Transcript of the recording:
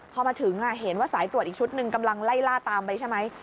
พอมาถึงเห็นว่าสายตรวจอีกชุดหนึ่งกำลังไล่ล่าตามไปใช่ไหม